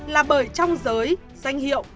là bởi trong giới danh hiệu